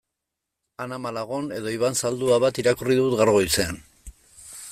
Ana Malagon edo Iban Zaldua bat irakurri dut gaur goizean.